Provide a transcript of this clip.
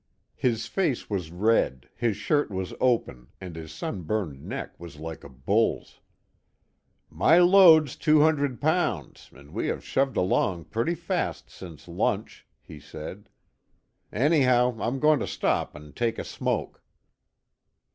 His face was red, his shirt was open and his sunburned neck was like a bull's. "My load's two hundred pounds, and we have shoved along pretty fast since lunch," he said. "Anyhow, I'm going to stop and take a smoke."